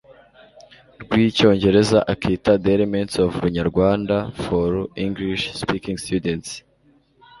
rw'icyongereza akita the elements of runyarwanda for english-speaking students